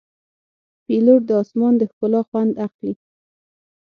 پیلوټ د آسمان د ښکلا خوند اخلي.